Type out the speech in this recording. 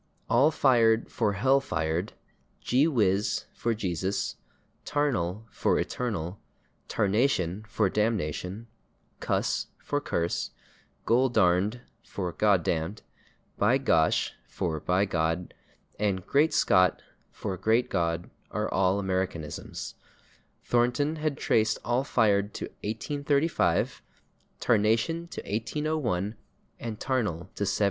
/All fired/ for /hell fired/, /gee whiz/ for /Jesus/, /tarnal/ for /eternal/, /tarnation/ for /damnation/, /cuss/ for /curse/, /goldarned/ for /God damned/, /by gosh/ for /by God/ and /great Scott/ for /great God/ are all Americanisms; Thornton has traced /all fired/ to 1835, /tarnation/ to 1801 and /tarnal/ to 1790.